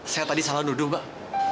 saya tadi salah nuduh pak